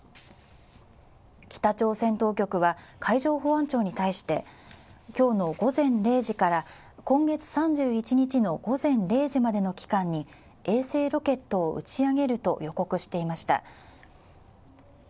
北朝鮮当局は海上保安庁に対して今日の午前０時から今月３１日の午前０時までの期間に衛星ロケットを打ち上げると予告していました。